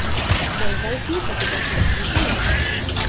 Byl velký fotografický fanoušek.